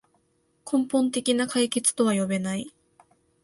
根本的な解決とは呼べない